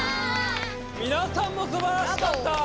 みなさんもすばらしかった！